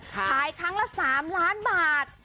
ขายครั้งละ๓ล้านบาท